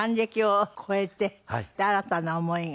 で新たな思いが。